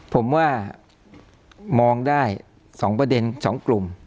ผมว่ามองได้๒ประเด็น๒กลุ่ม